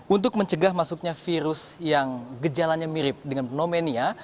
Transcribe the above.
untuk mencegah masuknya virus yang gejalanya mirip dengan pneumonia